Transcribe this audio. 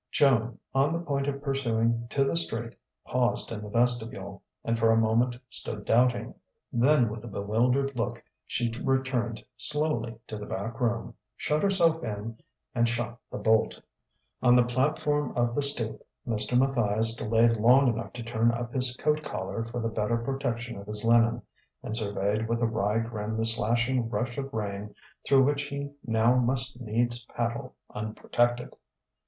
Joan, on the point of pursuing to the street, paused in the vestibule, and for a moment stood doubting. Then, with a bewildered look, she returned slowly to the back room, shut herself in, and shot the bolt.... On the platform of the stoop, Mr. Matthias delayed long enough to turn up his coat collar for the better protection of his linen, and surveyed with a wry grin the slashing rush of rain through which he now must needs paddle unprotected.